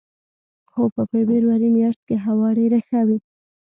خو په فبروري میاشت کې هوا ډېره ښه وه.